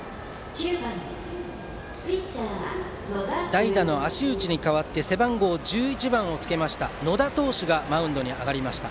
代打の芦内に代わって背番号１１番をつけた野田投手がマウンドに上がりました。